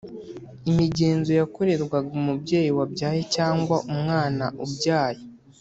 imigenzo yakorerwaga umubyeyi wabyaye cyangwa umwana abyaye